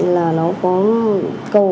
là nó có